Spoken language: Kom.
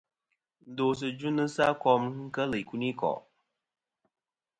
Ndosɨ dvɨnɨsɨ a kom nɨn kel ikunikò'.